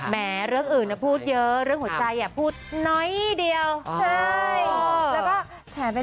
แหมเรื่องอื่นแล้วพูดเยอะ